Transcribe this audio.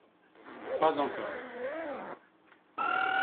Pas encore.